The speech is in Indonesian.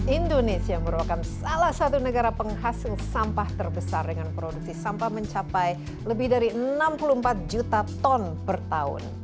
indonesia merupakan salah satu negara penghasil sampah terbesar dengan produksi sampah mencapai lebih dari enam puluh empat juta ton per tahun